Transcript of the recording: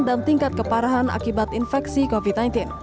tingkat keparahan akibat infeksi covid sembilan belas